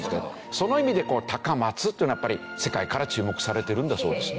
その意味で高松というのは世界から注目されてるんだそうですね。